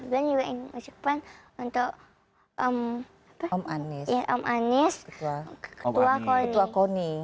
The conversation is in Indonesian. dan juga ingin ucapkan untuk om anies ketua koni